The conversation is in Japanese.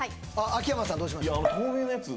秋山さんどうしました？